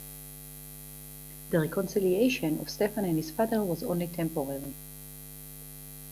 The reconciliation of Stephen and his father was only temporary.